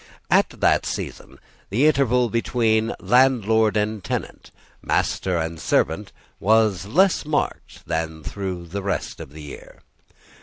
At that season, the interval between landlord and tenant, master and servant, was less marked than through the rest of the year.